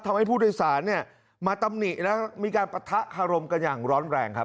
ทำให้ผู้โดยสารเนี่ยมาตำหนิแล้วมีการปะทะคารมกันอย่างร้อนแรงครับ